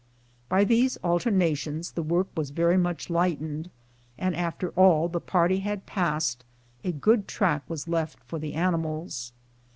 By these al ternations the work was very much lightened, and, after all the party had passed, a good track was left for the ani mals.